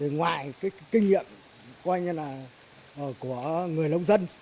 ngoài kinh nghiệm của người lông dân